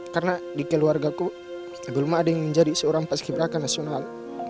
karena di keluarga ku belum ada yang menjadi seorang pas kiberaika nasional